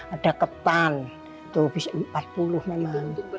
ada ketan itu bisa empat puluh memang